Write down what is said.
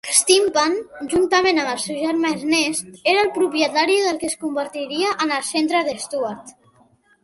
Stypmann, juntament amb el seu germà Ernest, era el propietari del que es convertiria en el centre d'Stuart.